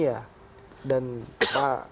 ya dan pak